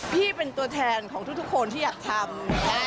พี่เป็นตัวแทนของทุกคนที่อยากทำ